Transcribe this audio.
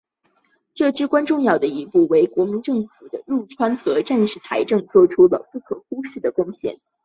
这至关重要一步为国民政府的入川和战时财政作出了不可忽视的贡献。